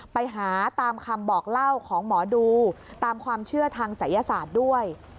ไปหาตามคำบอกเล่าของหมอดูตามความเชื่อทางศัยศาสตร์ด้วย